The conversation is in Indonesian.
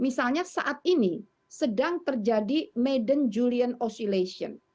misalnya saat ini sedang terjadi madden julian oscillation